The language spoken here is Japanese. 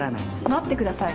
待ってください。